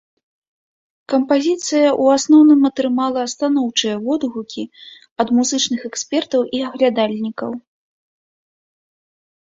Кампазіцыя ў асноўным атрымала станоўчыя водгукі ад музычных экспертаў і аглядальнікаў.